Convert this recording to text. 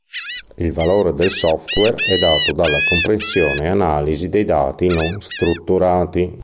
Il valore del software è dato dalla comprensione e analisi dei dati non strutturati.